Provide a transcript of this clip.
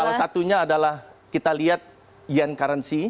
salah satunya adalah kita lihat yen currency